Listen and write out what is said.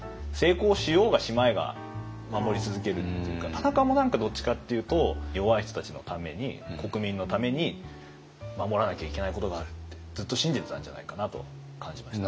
田中も何かどっちかっていうと弱い人たちのために国民のために守らなきゃいけないことがあるってずっと信じてたんじゃないかなと感じました。